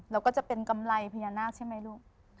แล้วก็จะเป็นกำไรพญานาคใช่ไหมลูก